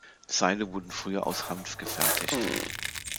Seile wurden früher aus Hanf gefertigt.